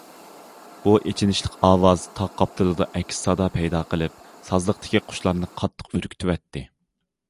بۇ ئېچىنىشلىق ئاۋاز تاغ قاپتىلىدا ئەكس سادا پەيدا قىلىپ سازلىقتىكى قۇشلارنى قاتتىق ئۈركۈتۈۋەتتى.